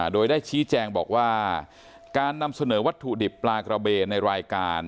โดยได้ชี้แจงบอกว่าการนำเสนอวัตถุดิบปลากระเบนในรายการ